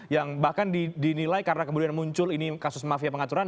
yang bahkan dinilai karena kemudian muncul ini kasus mafia pengaturan